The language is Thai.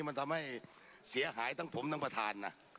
มันทำให้เสียหายทั้งผมทั้งประธานนะ